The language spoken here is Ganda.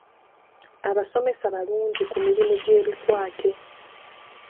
Abasomesa balungi ku mirimu gy'ebikwate.